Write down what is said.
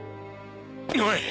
おい！